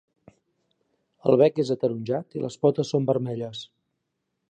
El bec és ataronjat i les potes són vermelles.